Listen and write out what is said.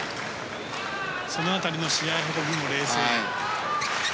その辺りの試合運びも冷静。